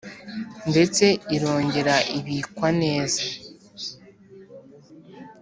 Ndetse irongera ibikwa neza